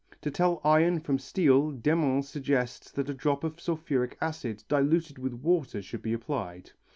To tell iron from steel Demmin suggests that a drop of sulphuric acid diluted with water should be applied.